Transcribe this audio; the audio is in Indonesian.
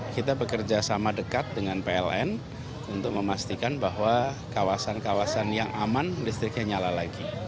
kita bekerja sama dekat dengan pln untuk memastikan bahwa kawasan kawasan yang aman listriknya nyala lagi